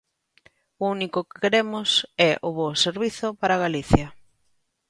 O único que queremos é o bo servizo para Galicia.